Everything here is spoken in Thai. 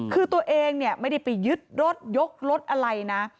คือตัวเองเนี่ยไม่ได้ไปยึดรถยกรถอะไรนะ